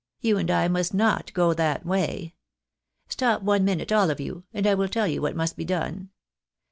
You and I must not go that way. Stop one minute, all of you, and I will tell you what must be done.